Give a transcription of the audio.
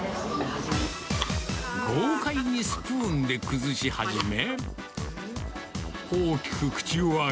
豪快にスプーンで崩し始め。